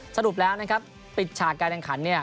สรุปแล้วนะครับปิดฉากการแข่งขันเนี่ย